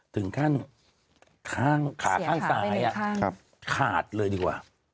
ถึงขั้นขาข้างซ้ายขาดเลยดีกว่า